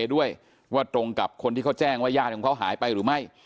ด้วยว่าตรงกับคนที่เขาแจ้งว่าญาติของเขาหายไปหรือไม่